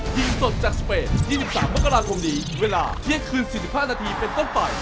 สดจากสเปน๒๓มกราคมนี้ถึงเวลาเที่ยงคืน๔๕นาทีเป็นต้นไป